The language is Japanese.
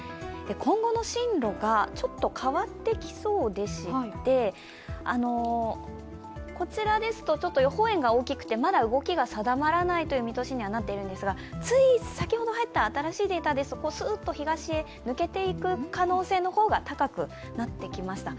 今後の進路がちょっと変わってきそうでしてこちらですと予報円が大きくて、まだ動きが定まらない見通しですがつい先ほど入った新しいデータですと、すーっと東へ抜けていく可能性の方が高くなってきました。